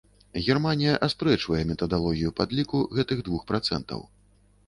Германія аспрэчвае метадалогію падліку гэтых двух працэнтаў.